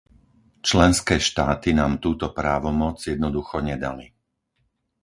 Členské štáty nám túto právomoc jednoducho nedali.